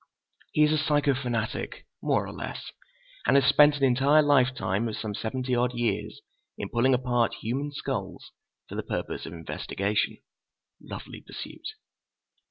He is a psycho fanatic, more or less, and has spent an entire lifetime of some seventy odd years in pulling apart human skulls for the purpose of investigation. Lovely pursuit!